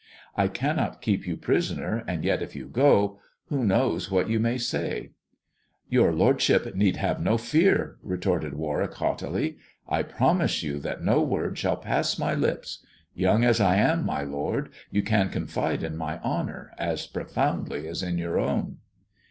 I cannot keep you prisoner, and yet, if you go, who knows what you may say ?"" Your lordship need have no fear," retorted Warwick haughtily. " I promise you that no word shall pass my lips. Young as I am, my lord, you can confide in my honour as profoundly as in your own."